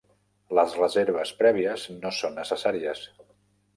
Les reserves prèvies no són necessàries.